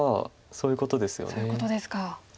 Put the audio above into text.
そういうことですか。